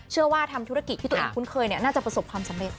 เชื่อว่าทำธุรกิจที่ตัวอีกคุ้นเคยเนี่ยน่าจะประสบความสำเร็จ